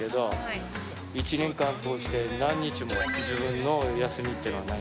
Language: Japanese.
１年間こうして何日も自分の休みっていうのはない。